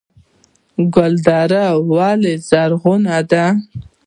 ګلدره ولې زرغونه ده؟